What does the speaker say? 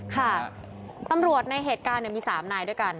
ค่ะตำรวจในเหตุการณ์มี๓นายด้วยกัน